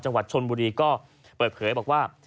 จังหวัดชนบุรีก็เปิดเผยบอกว่า